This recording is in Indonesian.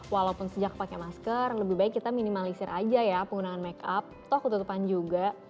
walaupun sejak pakai masker yang lebih baik kita minimalisir aja ya penggunaan make up atau ketutupan juga